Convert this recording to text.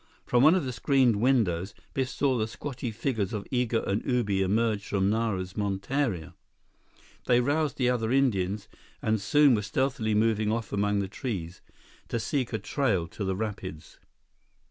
From one of the screened windows, Biff saw the squatty figures of Igo and Ubi emerge from Nara's monteria. They roused the other Indians, and soon were stealthily moving off among the trees, to seek a trail to the rapids.